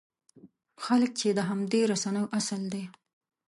خلک چې د همدې رسنیو اصل دی.